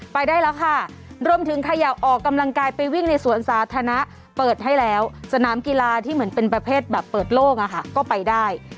ไปได้แล้วค่ะรวมถึงขยับออกกำลังกายไปวิ่งในสวนสาธารณะเปิดให้แล้วสนามกีฬาที่เหมือนเป็นประเภทแบบเปิดโลกอะค่ะก็ไปได้